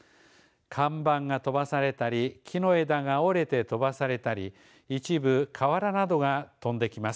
看板が飛ばされたり木の枝が折れて飛ばされたり一部瓦などが飛んできます。